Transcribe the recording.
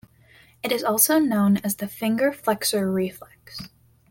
It is also known as the finger flexor reflex.